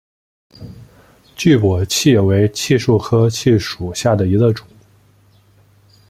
巨果槭为槭树科槭属下的一个种。